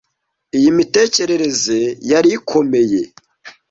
iyi mitekerereze yari ikomeye